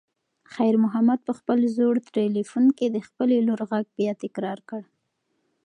خیر محمد په خپل زوړ تلیفون کې د خپلې لور غږ بیا تکرار کړ.